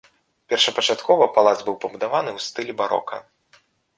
Першапачаткова палац быў пабудаваны ў стылі барока.